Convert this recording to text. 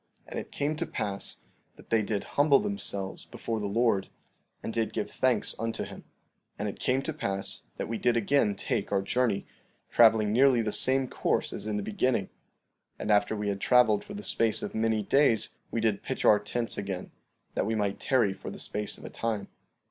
And it came to pass that they did humble themselves before the Lord, and did give thanks unto him. 16:33 And it came to pass that we did again take our journey, traveling nearly the same course as in the beginning; and after we had traveled for the space of many days we did pitch our tents again, that we might tarry for the space of a time.